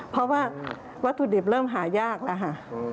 เพราะว่าวัตถุดิบเริ่มหายากแล้วค่ะ